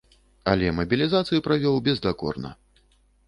Але мабілізацыю правёў бездакорна.